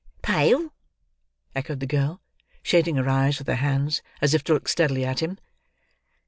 "Pale!" echoed the girl, shading her eyes with her hands, as if to look steadily at him.